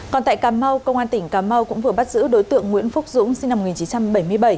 còn tại cà mau công an tỉnh cà mau cũng vừa bắt giữ đối tượng nguyễn phúc dũng sinh năm một nghìn chín trăm bảy mươi bảy